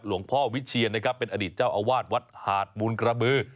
หลวงพ่อวิเชียนนะครับเป็นอดิษฐ์เจ้าอาวาสวัดหาดมูลกระบือ